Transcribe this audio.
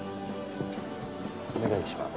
お願いします。